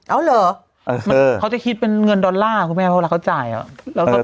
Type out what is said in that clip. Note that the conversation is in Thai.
เอาเหรอเขาจะคิดเป็นเงินดอลลาร์คุณแม่เพราะเวลาเขาจ่ายอ่ะ